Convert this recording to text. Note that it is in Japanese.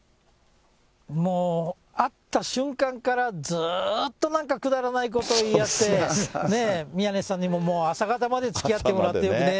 もう会った瞬間からずっとなんかくだらないことを言い合って、宮根さんにももう、朝方までつきあってもらって、よくね。